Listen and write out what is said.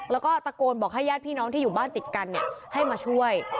แล้วก็ตะโกนบอกให้ญาติพี่น้องที่อยู่บ้านติดกันให้มาช่วย